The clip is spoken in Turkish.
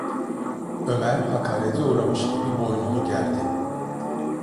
Ömer hakarete uğramış gibi boynunu gerdi.